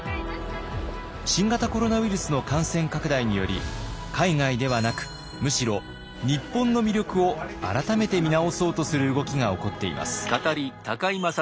新型コロナウイルスの感染拡大により海外ではなくむしろ日本の魅力を改めて見直そうとする動きが起こっています。